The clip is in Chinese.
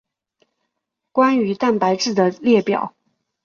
关于蛋白质的列表。